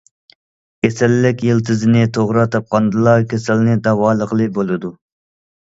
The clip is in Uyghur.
كېسەللىك يىلتىزىنى توغرا تاپقاندىلا كېسەلنى داۋالىغىلى بولىدۇ.